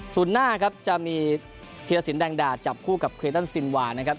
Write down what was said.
ส่วนหน้าครับจะมีธีรสินแดงดาจับคู่กับเครตันซินวานะครับ